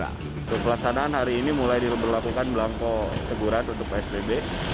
untuk pelaksanaan hari ini mulai diberlakukan belangko teguran untuk psbb